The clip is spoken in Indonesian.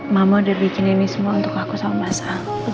mama udah bikin ini semua untuk aku sama masa